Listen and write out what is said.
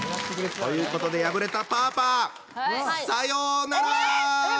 ということで敗れたパーパーさようなら！